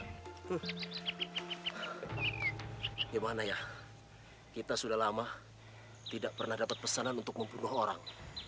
bagaimana ya kita sudah lama tidak pernah dapat pesanan untuk membunuh orang